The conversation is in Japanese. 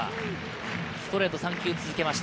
ストレートを３球続けました。